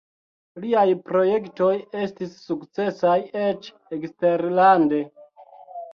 Liaj projektoj estis sukcesaj eĉ eksterlande.